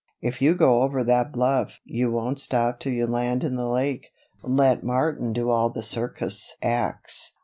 If you go over that bluff you won't stop till you land in the lake. Let Martin do all the circus acts."